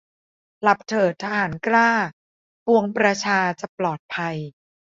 หลับเถิดทหารกล้า ปวงประชาจะปลอดภัย